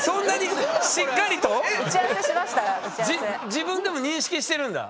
自分でも認識してるんだ。